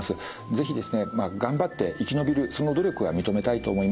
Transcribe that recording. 是非ですね頑張って生き延びるその努力は認めたいと思います。